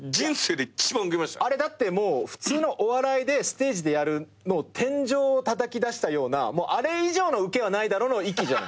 あれだってもう普通のお笑いでステージでやるのを天井をたたき出したようなあれ以上のウケはないだろの域じゃない。